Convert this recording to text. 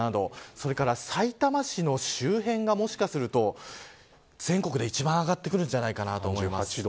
それからさいたま市の周辺がもしかすると全国で一番上がってくるんじゃないかなと思います。